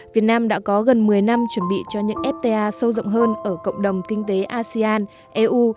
việt nam đã có gần một mươi năm chuẩn bị cho những fta sâu rộng hơn ở cộng đồng kinh tế asean eu